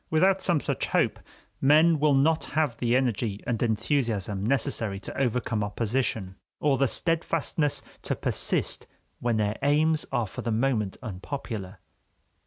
Without some such hope, men will not have the energy and enthusiasm necessary to overcome opposition, or the steadfastness to persist when their aims are for the moment unpopular.